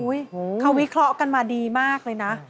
เขาวิเคราะห์กันมาดีมากเลยนะ